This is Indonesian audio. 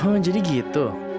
oh jadi gitu